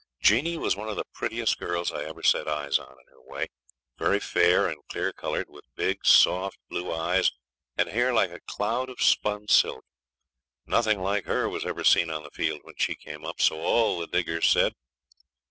Jeanie was one of the prettiest girls I ever set eyes on in her way, very fair and clear coloured, with big, soft blue eyes, and hair like a cloud of spun silk. Nothing like her was ever seen on the field when she came up, so all the diggers said.